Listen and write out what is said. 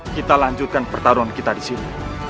kita lanjutkan pertarungan kita di sini